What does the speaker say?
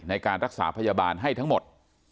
ในการรักษาพยาบาลให้ทั้งหมด